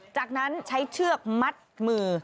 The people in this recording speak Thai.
จากนั้นใช้เชือกมัดมือ